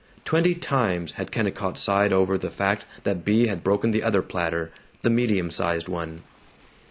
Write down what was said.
Twenty times had Kennicott sighed over the fact that Bea had broken the other platter the medium sized one.